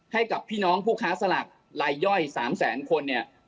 ให้กับพี่น้องผู้ค้าสลากลายย่อย๓แสนคนเนี่ย